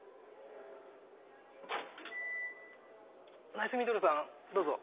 ナイスミドルさんどうぞ。